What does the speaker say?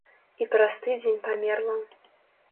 І праз тыдзень памерла.